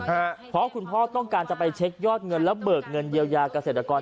เพราะคุณพ่อต้องการจะไปเช็คยอดเงินแล้วเบิกเงินเยียวยาเกษตรกร